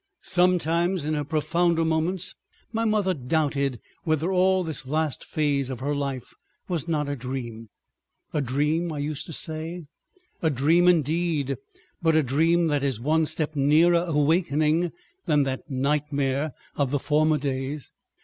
Sometimes in her profounder moments my mother doubted whether all this last phase of her life was not a dream. "A dream," I used to say, "a dream indeed—but a dream that is one step nearer awakening than that nightmare of the former days."